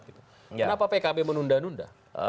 kenapa pkb menunda nunda